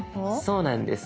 そうなんです。